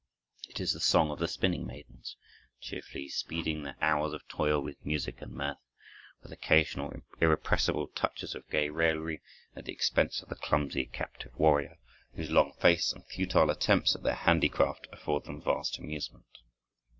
It is the song of the spinning maidens, cheerfully speeding their hours of toil with music and mirth, with occasional irrepressible touches of gay raillery at the expense of the clumsy captive warrior, whose long face and futile attempts at their handicraft afford them vast amusement.